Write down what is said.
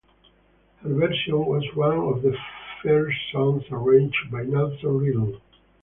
Her version was one of the first songs arranged by Nelson Riddle.